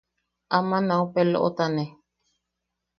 Ama nau peloʼotaane.